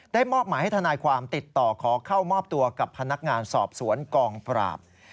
มอบหมายให้ทนายความติดต่อขอเข้ามอบตัวกับพนักงานสอบสวนกองปราบ